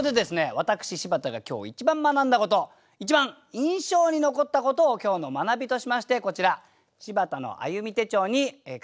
私柴田が今日一番学んだこと一番印象に残ったことを今日の学びとしましてこちら「柴田の歩み」手帳に書き記したので発表いたします。